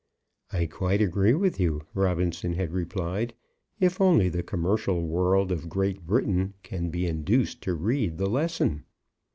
"I quite agree with you," Robinson had replied, "if only the commercial world of Great Britain can be induced to read the lesson."